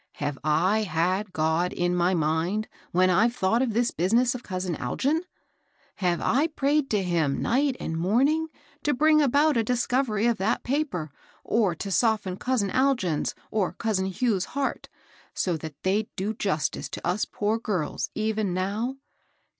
Have I had God in my mmd when I've thought of thi^ W^^v^^ ^il ^^xissc^ 264 HABEL ROSS. Algln ? Have I prayed to him night and morn ing to bring abont a discovery of that paper, or to soften consin Algin's or coosin Hugh's heart, so that they'd do justice to us poor girls, even now